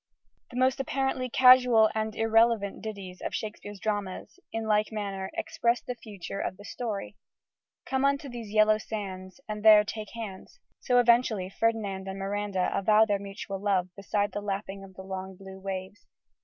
The most apparently casual and irrelevant ditties of Shakespeare's dramas, in like manner, "express the future" of the story. "Come unto these yellow sands, And there take hands".... So, eventually, Ferdinand and Miranda avow their mutual love beside the lapping of the long blue waves.